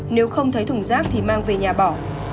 nếu không thấy thùng rác thì mang về nhà bỏ